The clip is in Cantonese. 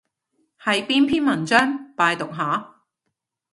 係邊篇文章？拜讀下